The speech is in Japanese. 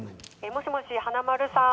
もしもし華丸さん